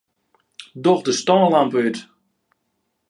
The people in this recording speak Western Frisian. Doch de stânlampe út.